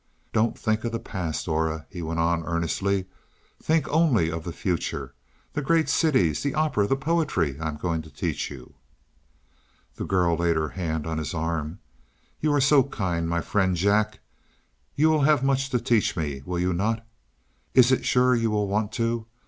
"Don't think of the past, Aura," he went on earnestly. "Think only of the future the great cities, the opera, the poetry I am going to teach you." The girl laid her hand on his arm. "You are so kind, my friend Jack. You will have much to teach me, will you not? Is it sure you will want to?